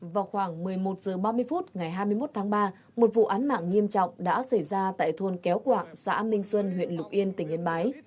vào khoảng một mươi một h ba mươi phút ngày hai mươi một tháng ba một vụ án mạng nghiêm trọng đã xảy ra tại thôn kéo quạng xã minh xuân huyện lục yên tỉnh yên bái